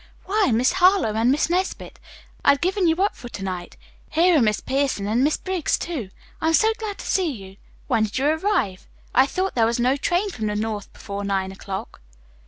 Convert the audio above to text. "Why, Miss Harlowe and Miss Nesbit, I had given you up for to night. Here are Miss Pierson and Miss Briggs, too. I'm so glad to see you. When did you arrive? I thought there was no train from the north before nine o'clock."